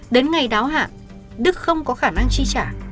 đến ngày đáo hạn đức không có khả năng chi trả